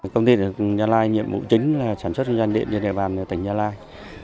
công ty điện lực gia lai nhiệm vụ chính là sản xuất dân gian điện trên địa bàn tỉnh gia lai